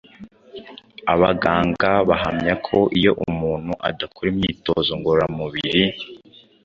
Abaganga bahamya ko iyo umuntu adakora imyitozo ngororamubiri,